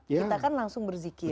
kita kan langsung berzikir